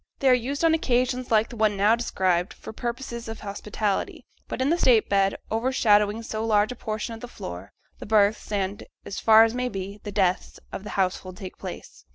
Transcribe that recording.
They are used on occasions like the one now described for purposes of hospitality; but in the state bed, overshadowing so large a portion of the floor, the births and, as far as may be, the deaths, of the household take place.